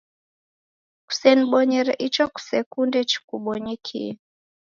Kusenibonyere icho kusekunde chikubonyekie.